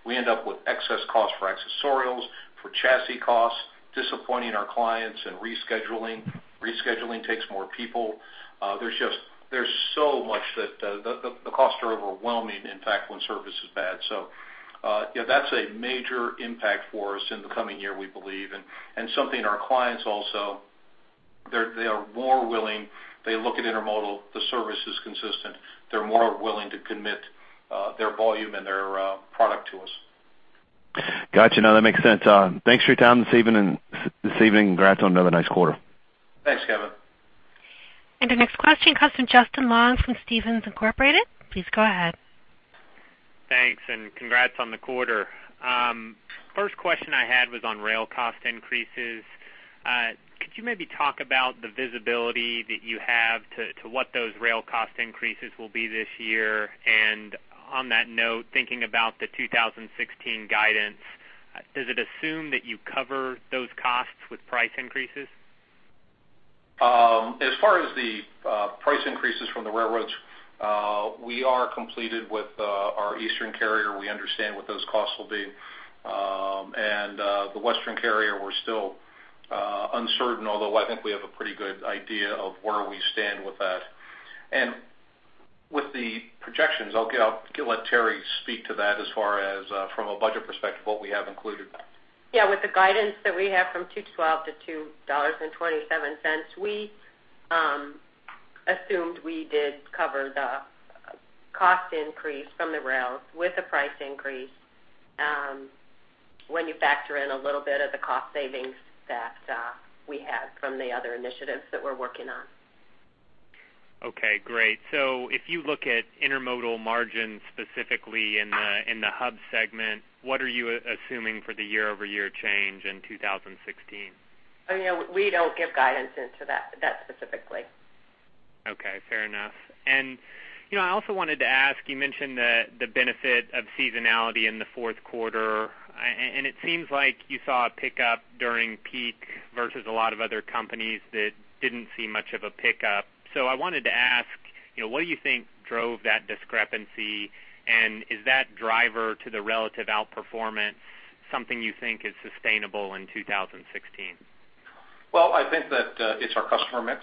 We end up with excess costs for accessorials, for chassis costs, disappointing our clients and rescheduling. Rescheduling takes more people. There's just so much that the costs are overwhelming, in fact, when service is bad. So, yeah, that's a major impact for us in the coming year, we believe, and something our clients also, they're - they are more willing... They look at Intermodal, the service is consistent. They're more willing to commit their volume and their product to us.... Gotcha. No, that makes sense. Thanks for your time this evening, and this evening, congrats on another nice quarter. Thanks, Kevin. Our next question comes from Justin Long from Stephens Incorporated. Please go ahead. Thanks, and congrats on the quarter. First question I had was on rail cost increases. Could you maybe talk about the visibility that you have to what those rail cost increases will be this year? And on that note, thinking about the 2016 guidance, does it assume that you cover those costs with price increases? As far as the price increases from the railroads, we are completed with our eastern carrier. We understand what those costs will be. And the western carrier, we're still uncertain, although I think we have a pretty good idea of where we stand with that. And with the projections, I'll let Terri speak to that as far as from a budget perspective, what we have included. Yeah, with the guidance that we have from $2.12 to $2.27, we assumed we did cover the cost increase from the rails with a price increase. When you factor in a little bit of the cost savings that we had from the other initiatives that we're working on. Okay, great. So if you look at Intermodal margins, specifically in the Hub segment, what are you assuming for the year-over-year change in 2016? You know, we don't give guidance into that, that specifically. Okay, fair enough. You know, I also wanted to ask, you mentioned the benefit of seasonality in the fourth quarter, and it seems like you saw a pickup during peak versus a lot of other companies that didn't see much of a pickup. So I wanted to ask, you know, what do you think drove that discrepancy, and is that driver to the relative outperformance something you think is sustainable in 2016? Well, I think that, it's our customer mix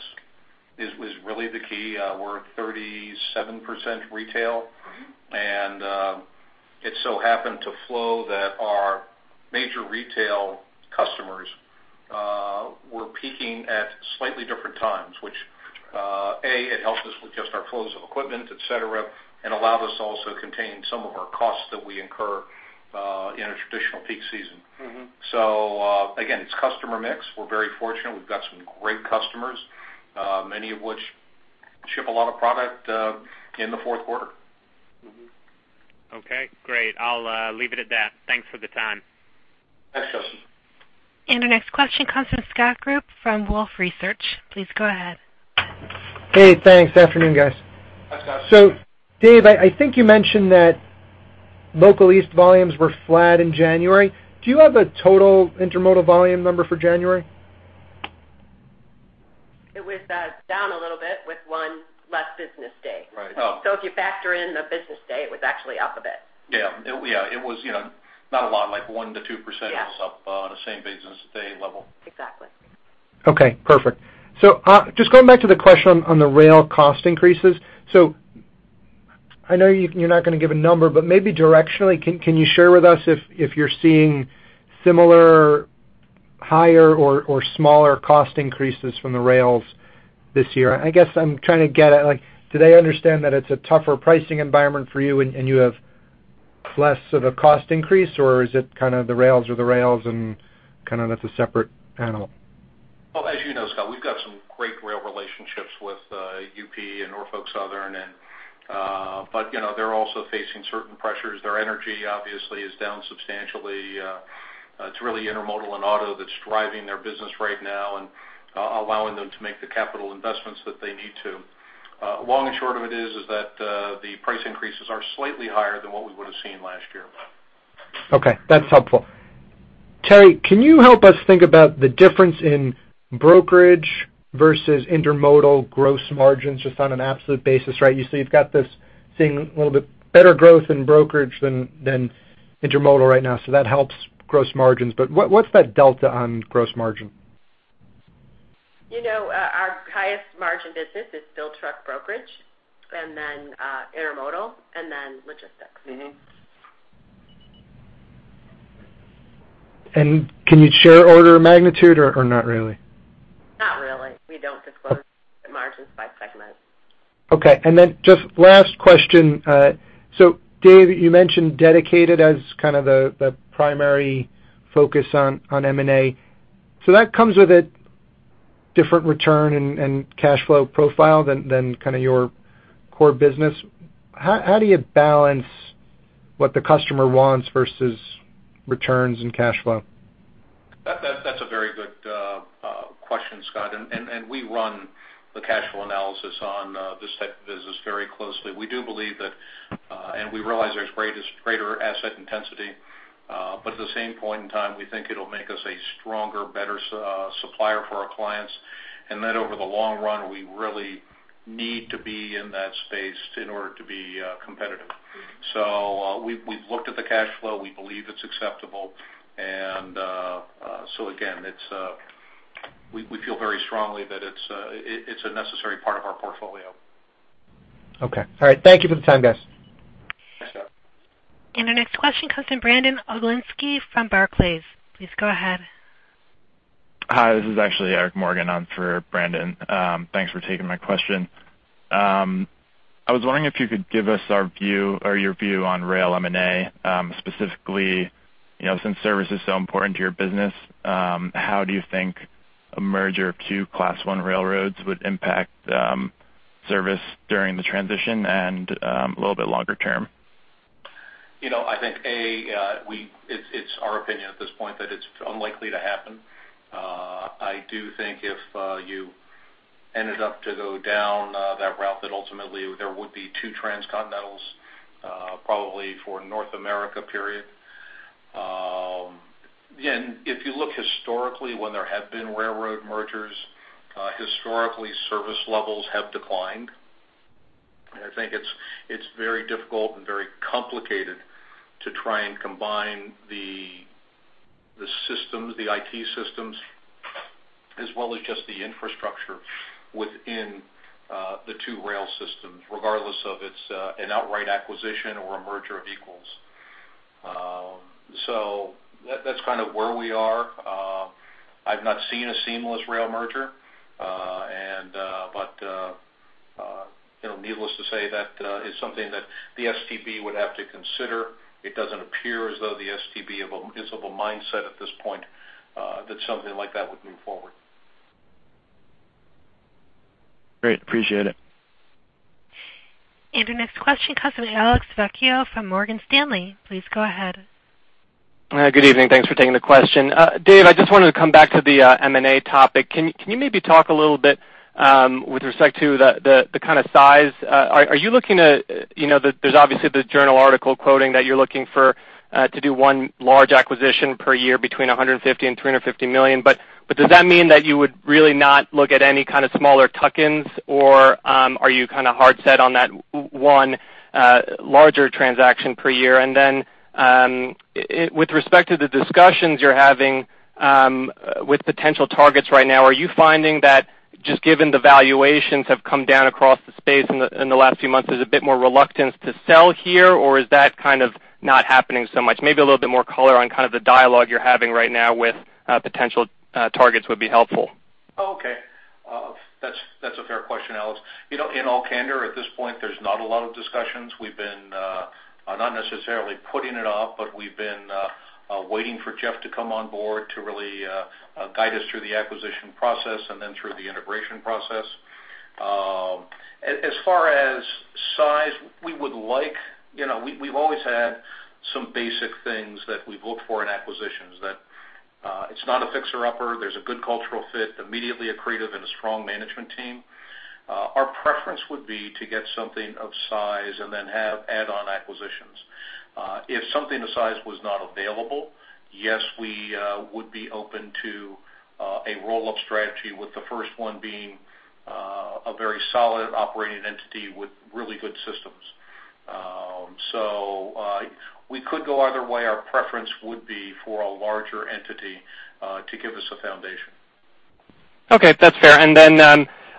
is really the key. We're at 37% retail. Mm-hmm. It so happened to flow that our major retail customers were peaking at slightly different times, which it helps us with just our flows of equipment, et cetera, and allowed us to also contain some of our costs that we incur in a traditional peak season. Mm-hmm. So, again, it's customer mix. We're very fortunate. We've got some great customers, many of which ship a lot of product in the fourth quarter. Mm-hmm. Okay, great. I'll leave it at that. Thanks for the time. Thanks, Justin. Our next question comes from Scott Group from Wolfe Research. Please go ahead. Hey, thanks. Afternoon, guys. Hi, Scott. So, Dave, I think you mentioned that Local East volumes were flat in January. Do you have a total Intermodal volume number for January? It was down a little bit with one less business day. Right. Oh. If you factor in the business day, it was actually up a bit. Yeah. It was, you know, not a lot, like 1%-2%. Yeah was up on the same business day level. Exactly. Okay, perfect. So, just going back to the question on the rail cost increases. So I know you, you're not going to give a number, but maybe directionally, can you share with us if you're seeing similar higher or smaller cost increases from the rails this year? I guess I'm trying to get at, like, do they understand that it's a tougher pricing environment for you and you have less of a cost increase, or is it kind of the rails are the rails and kind of that's a separate panel? Well, as you know, Scott, we've got some great rail relationships with UP and Norfolk Southern and... But you know, they're also facing certain pressures. Their energy, obviously, is down substantially. It's really Intermodal and auto that's driving their business right now and allowing them to make the capital investments that they need to. Long and short of it is that the price increases are slightly higher than what we would have seen last year. Okay, that's helpful. Terri, can you help us think about the difference in brokerage versus Intermodal gross margins, just on an absolute basis, right? You say you've got this seeing a little bit better growth in brokerage than Intermodal right now, so that helps gross margins. But what's that delta on gross margin? You know, our highest margin business is still truck brokerage, and then, Intermodal, and then logistics. Mm-hmm. And can you share order of magnitude or, or not really? Not really. We don't disclose the margins by segment. Okay. And then just last question. So Dave, you mentioned dedicated as kind of the primary focus on M&A. So that comes with a different return and cash flow profile than kind of your core business. How do you balance what the customer wants versus returns and cash flow? That's a very good question, Scott, and we run the cash flow analysis on this type of business very closely. We do believe that, and we realize there's greater asset intensity, but at the same point in time, we think it'll make us a stronger, better supplier for our clients, and that over the long run, we really need to be in that space in order to be competitive. Mm-hmm. So, we've looked at the cash flow. We believe it's acceptable, and so again, it's... We feel very strongly that it's a necessary part of our portfolio. Okay. All right. Thank you for the time, guys. Thanks, Scott. Our next question comes from Brandon Oglenski from Barclays. Please go ahead. Hi, this is actually Eric Morgan on for Brandon. Thanks for taking my question. I was wondering if you could give us our view or your view on rail M&A, specifically, you know, since service is so important to your business, how do you think a merger of two Class I railroads would impact service during the transition and a little bit longer term? You know, I think it's our opinion at this point that it's unlikely to happen. I do think if you ended up to go down that route, that ultimately there would be two transcontinentals, probably for North America, period. Again, if you look historically when there have been railroad mergers, historically, service levels have declined. And I think it's very difficult and very complicated to try and combine the systems, the IT systems, as well as just the infrastructure within the two rail systems, regardless of it's an outright acquisition or a merger of equals. So that's kind of where we are. I've not seen a seamless rail merger, and you know, needless to say, that is something that the STB would have to consider. It doesn't appear as though the STB is of a mindset at this point that something like that would move forward. Great. Appreciate it. Our next question comes from Alex Vecchio from Morgan Stanley. Please go ahead. Hi, good evening. Thanks for taking the question. Dave, I just wanted to come back to the M&A topic. Can you maybe talk a little bit with respect to the kind of size? Are you looking at, you know, there's obviously the journal article quoting that you're looking for to do one large acquisition per year between $150 million and $350 million. But does that mean that you would really not look at any kind of smaller tuck-ins, or are you kind of hard set on that one larger transaction per year? With respect to the discussions you're having with potential targets right now, are you finding that just given the valuations have come down across the space in the last few months, there's a bit more reluctance to sell here, or is that kind of not happening so much? Maybe a little bit more color on kind of the dialogue you're having right now with potential targets would be helpful. Oh, okay. That's, that's a fair question, Alex. You know, in all candor, at this point, there's not a lot of discussions. We've been not necessarily putting it off, but we've been waiting for Geoff to come on board to really guide us through the acquisition process and then through the integration process. As far as size, we would like, you know, we've always had some basic things that we look for in acquisitions, that it's not a fixer-upper, there's a good cultural fit, immediately accretive and a strong management team. Our preference would be to get something of size and then have add-on acquisitions. If something of size was not available, yes, we would be open to a roll-up strategy, with the first one being a very solid operating entity with really good systems. So, we could go either way. Our preference would be for a larger entity to give us a foundation. Okay, that's fair. And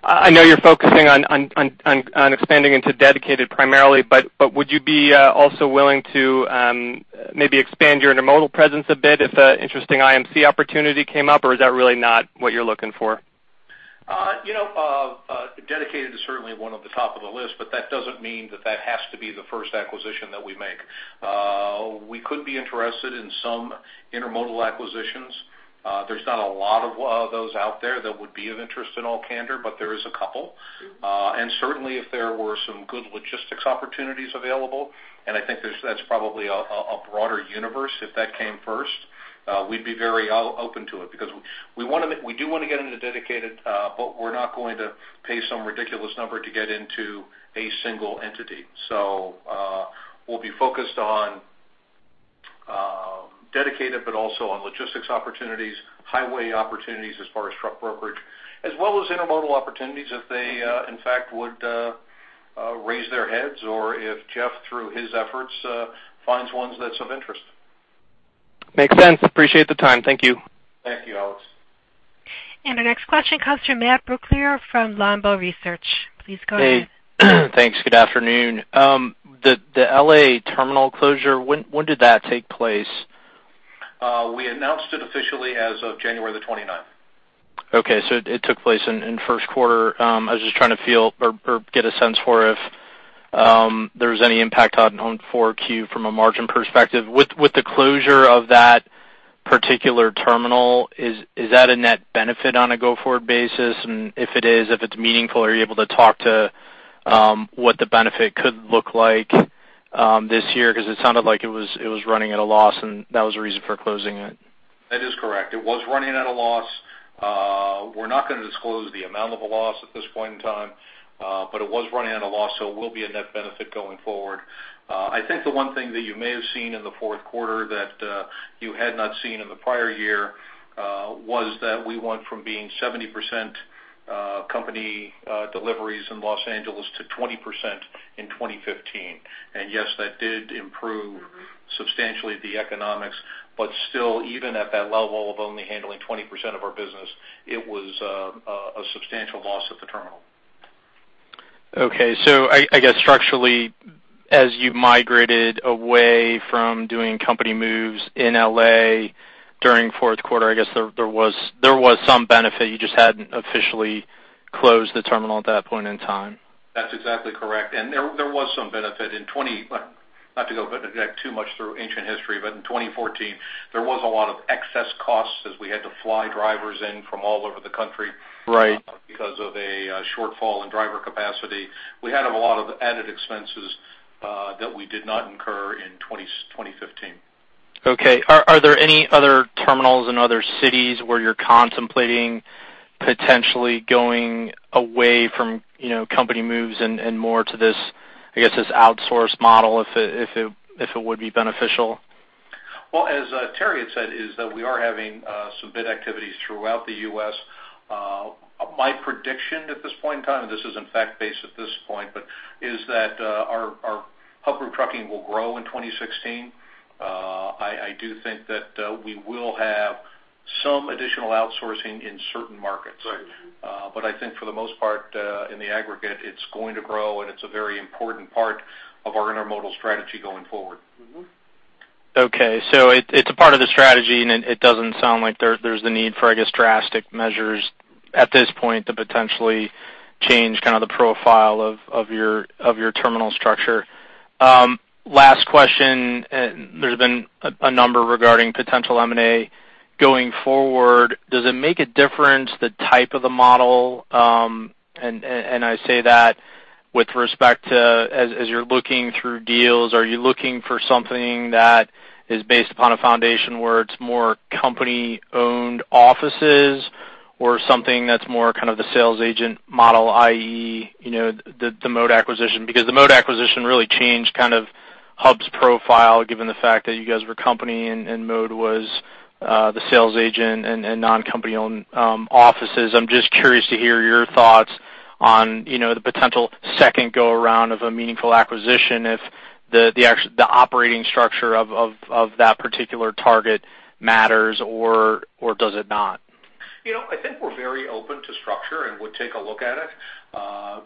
then, I know you're focusing on expanding into dedicated primarily, but would you be also willing to maybe expand your Intermodal presence a bit if an interesting IMC opportunity came up? Or is that really not what you're looking for? You know, dedicated is certainly one of the top of the list, but that doesn't mean that that has to be the first acquisition that we make. We could be interested in some Intermodal acquisitions. There's not a lot of those out there that would be of interest in all candor, but there is a couple. And certainly, if there were some good logistics opportunities available, and I think there's, that's probably a broader universe, if that came first, we'd be very open to it because we want to, we do want to get into dedicated, but we're not going to pay some ridiculous number to get into a single entity. So, we'll be focused on dedicated, but also on logistics opportunities, highway opportunities as far as truck brokerage, as well as Intermodal opportunities if they in fact would raise their heads, or if Geoff through his efforts finds ones that's of interest. Makes sense. Appreciate the time. Thank you. Thank you, Alex. Our next question comes from Matt Brooklier from Longbow Research. Please go ahead. Hey, thanks. Good afternoon. The L.A. terminal closure, when did that take place? We announced it officially as of January the 29th. Okay, so it took place in first quarter. I was just trying to feel or get a sense for if there was any impact on 4Q from a margin perspective. With the closure of that particular terminal, is that a net benefit on a go-forward basis? And if it is, if it's meaningful, are you able to talk to what the benefit could look like this year? Because it sounded like it was running at a loss, and that was the reason for closing it. That is correct. It was running at a loss. We're not going to disclose the amount of the loss at this point in time, but it was running at a loss, so it will be a net benefit going forward. I think the one thing that you may have seen in the fourth quarter that you had not seen in the prior year was that we went from being 70% company deliveries in Los Angeles to 20% in 2015. And yes, that did improve substantially the economics, but still, even at that level of only handling 20% of our business, it was a substantial loss at the terminal.... Okay, so I guess structurally, as you've migrated away from doing company moves in LA during fourth quarter, I guess there was some benefit. You just hadn't officially closed the terminal at that point in time. That's exactly correct. And there was some benefit in 20—well, not to go back too much through ancient history, but in 2014, there was a lot of excess costs as we had to fly drivers in from all over the country- Right. because of a shortfall in driver capacity. We had a lot of added expenses that we did not incur in 2015. Okay. Are there any other terminals in other cities where you're contemplating potentially going away from, you know, company moves and more to this, I guess, this outsourced model, if it would be beneficial? Well, as Terri had said, is that we are having some bid activities throughout the U.S. My prediction at this point in time, and this is, in fact, based at this point, but is that our Hub Group Trucking will grow in 2016. I do think that we will have some additional outsourcing in certain markets. Right. I think for the most part, in the aggregate, it's going to grow, and it's a very important part of our Intermodal strategy going forward. Mm-hmm. Okay, so it's a part of the strategy, and it doesn't sound like there's the need for, I guess, drastic measures at this point to potentially change kind of the profile of your terminal structure. Last question, and there's been a number regarding potential M&A. Going forward, does it make a difference, the type of the model? And I say that with respect to as you're looking through deals, are you looking for something that is based upon a foundation where it's more company-owned offices, or something that's more kind of the sales agent model, i.e., you know, the Mode acquisition? Because the Mode acquisition really changed kind of Hub's profile, given the fact that you guys were company and Mode was the sales agent and non-company-owned offices. I'm just curious to hear your thoughts on, you know, the potential second go-around of a meaningful acquisition, if the actual operating structure of that particular target matters, or does it not? You know, I think we're very open to structure and would take a look at it.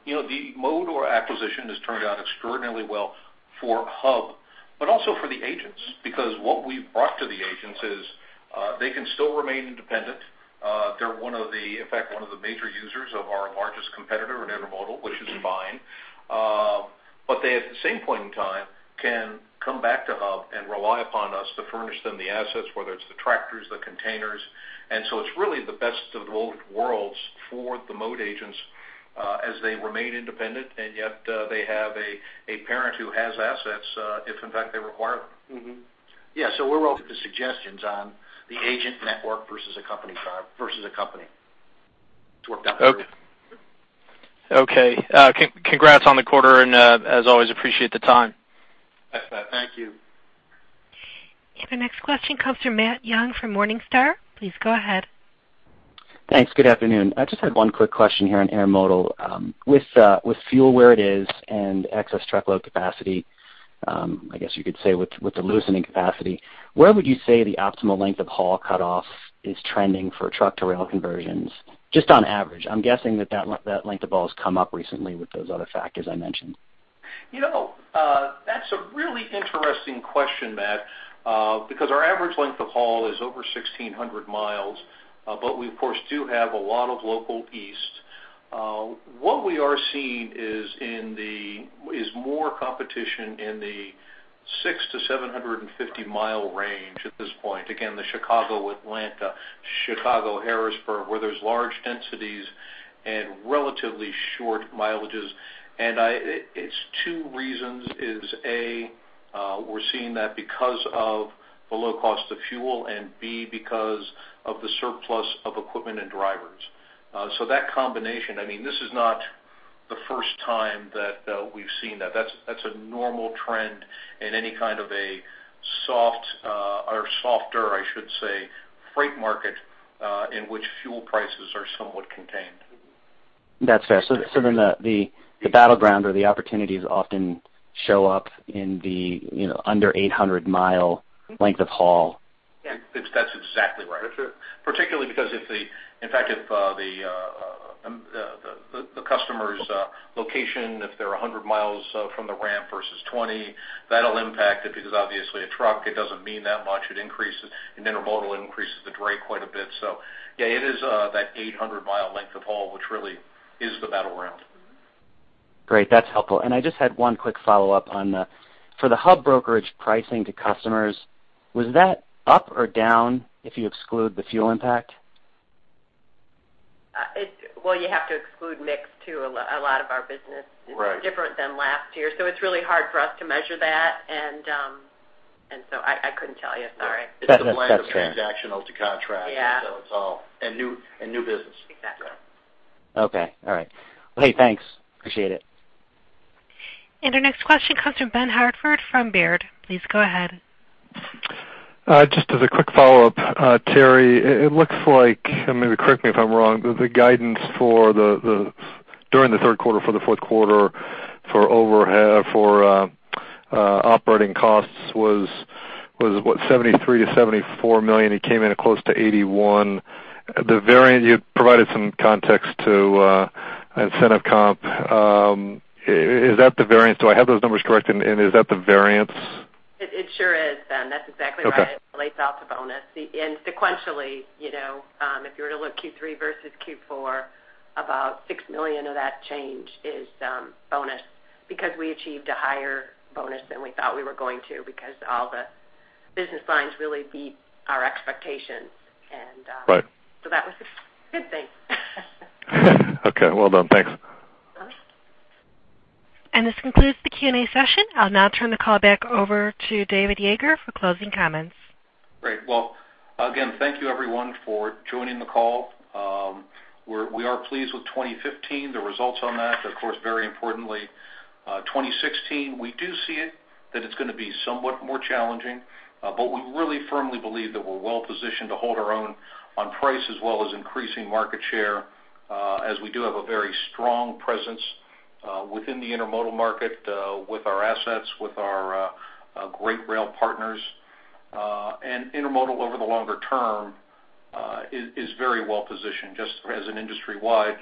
You know, the Mode acquisition has turned out extraordinarily well for Hub, but also for the agents, because what we've brought to the agents is, they can still remain independent. They're one of the, in fact, one of the major users of our largest competitor in Intermodal, which is fine. But they, at the same point in time, can come back to Hub and rely upon us to furnish them the assets, whether it's the tractors, the containers. And so it's really the best of both worlds for the Mode agents, as they remain independent, and yet, they have a parent who has assets, if in fact, they require them. Mm-hmm. Yeah, so we're open to suggestions on the agent network versus a company-driven, versus a company. It's worked out great. Okay. Congrats on the quarter, and, as always, appreciate the time. Thanks, Matt. Thank you. The next question comes from Matt Young from Morningstar. Please go ahead. Thanks. Good afternoon. I just had one quick question here on Intermodal. With fuel where it is and excess truckload capacity, I guess you could say with the loosening capacity, where would you say the optimal length of haul cutoff is trending for truck to rail conversions, just on average? I'm guessing that length of haul has come up recently with those other factors I mentioned. You know, that's a really interesting question, Matt, because our average length of haul is over 1,600 miles, but we, of course, do have a lot of local east. What we are seeing is more competition in the 600-750 mile range at this point. Again, the Chicago, Atlanta, Chicago, Harrisburg, where there's large densities and relatively short mileages. And it's two reasons: A, we're seeing that because of the low cost of fuel, and B, because of the surplus of equipment and drivers. So that combination, I mean, this is not the first time that we've seen that. That's a normal trend in any kind of a soft or softer, I should say, freight market in which fuel prices are somewhat contained. That's fair. So then the battleground or the opportunities often show up in the, you know, under 800-mile length of haul? Yeah, that's exactly right. That's it. Particularly because, in fact, if the customer's location, if they're 100 miles from the ramp versus 20, that'll impact it, because obviously a truck it doesn't mean that much. It increases in Intermodal the drayage quite a bit. So yeah, it is that 800-mile length of haul, which really is the battleground. Great, that's helpful. And I just had one quick follow-up. For the Hub brokerage pricing to customers, was that up or down if you exclude the fuel impact? Well, you have to exclude mix, too. A lot of our business- Right. Is different than last year, so it's really hard for us to measure that. And so I couldn't tell you. Sorry. That's fair. It's a blend of transactional to contract. Yeah. So it's all new business. Exactly. Yeah. Okay. All right. Well, hey, thanks. Appreciate it. Our next question comes from Ben Hartford from Baird. Please go ahead. Just as a quick follow-up, Terri, it looks like, I mean, correct me if I'm wrong, but the guidance for during the third quarter for the fourth quarter for overhead for operating costs was what? $73 million-$74 million. It came in at close to $81 million. The variance, you provided some context to incentive comp. Is that the variance? Do I have those numbers correct, and is that the variance? It sure is, Ben. That's exactly right. Okay. It lays out the bonus. And sequentially, you know, if you were to look Q3 versus Q4, about $6 million of that change is bonus because we achieved a higher bonus than we thought we were going to because all the business lines really beat our expectations, and Right. So that was a good thing. Okay. Well done. Thanks. Uh-huh. This concludes the Q&A session. I'll now turn the call back over to David Yeager for closing comments. Great. Well, again, thank you everyone for joining the call. We are pleased with 2015, the results on that, of course, very importantly, 2016, we do see it, that it's gonna be somewhat more challenging, but we really firmly believe that we're well positioned to hold our own on price as well as increasing market share, as we do have a very strong presence within the Intermodal market, with our assets, with our great rail partners. And Intermodal over the longer term is very well positioned, just as an industry-wide,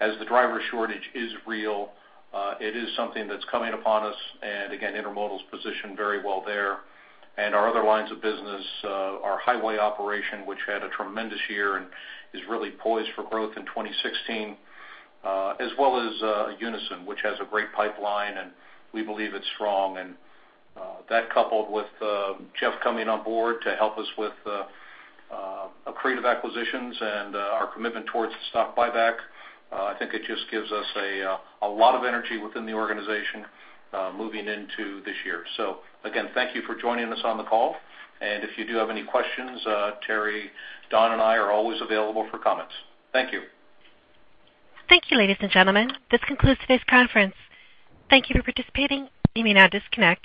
as the driver shortage is real, it is something that's coming upon us, and again, Intermodal is positioned very well there. Our other lines of business, our highway operation, which had a tremendous year and is really poised for growth in 2016, as well as Unyson, which has a great pipeline, and we believe it's strong. That coupled with Geoff coming on board to help us with creative acquisitions and our commitment towards the stock buyback, I think it just gives us a lot of energy within the organization moving into this year. So again, thank you for joining us on the call, and if you do have any questions, Terri, Don, and I are always available for comments. Thank you. Thank you, ladies and gentlemen. This concludes today's conference. Thank you for participating. You may now disconnect.